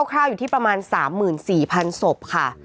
คราวอยู่ที่ประมาณ๓๔๐๐๐ศพค่ะ